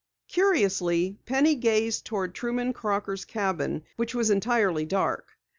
Curiously, Penny gazed toward Truman Crocker's cabin which was entirely dark.